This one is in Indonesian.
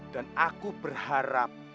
dan aku berharap